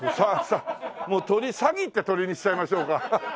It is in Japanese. もう鳥サギって鳥にしちゃいましょうか。